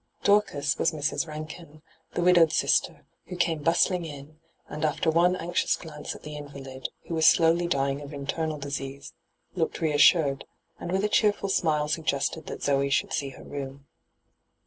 ' Dorcas ' was Mrs. Bankin, the widowed sister, who came bustling in, and after one anxious glance at the invalid, who was slowly dying of internal disease, looked reassured, and with a oheerfiil smile suggested that Zee should see her room.